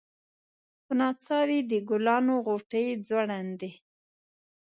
په نڅا وې د ګلانو غوټۍ ځونډي